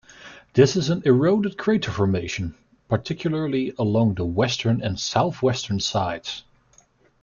This is an eroded crater formation, particularly along the western and southwestern sides.